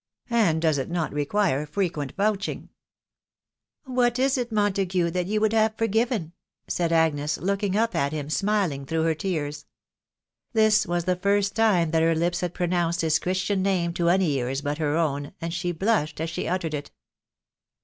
And doe* it not require frequent vouching ?"" What is it, Montague, that you would have forgiven ?" said Agnes, looking up at him, and smiling through her tears. This was the first time that her lips had pronounced his Christian name to any ears but her own, and she blushed as she uttered it.